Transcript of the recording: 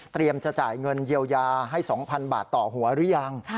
จะจ่ายเงินเยียวยาให้๒๐๐๐บาทต่อหัวหรือยัง